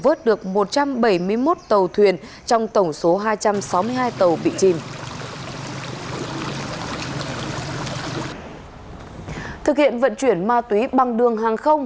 vớt được một trăm bảy mươi một tàu thuyền trong tổng số hai trăm sáu mươi hai tàu bị chìm thực hiện vận chuyển ma túy bằng đường hàng không